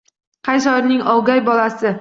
Qay shoirning oʼgay bolasi